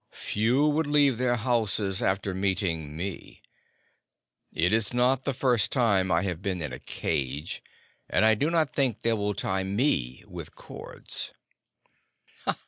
Few would leave their houses after meeting me. It is not the first time I have been in a cage; and I do not think they will tie me with cords."